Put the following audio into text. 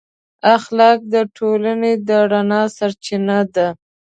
اخلاق د ټولنې د رڼا سرچینه ده.